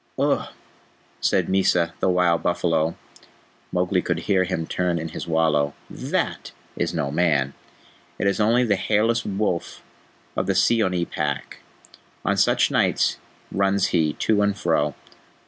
"Uhh!" said Mysa the Wild Buffalo (Mowgli could hear him turn in his wallow), "THAT is no man. It is only the hairless wolf of the Seeonee Pack. On such nights runs he to and fro."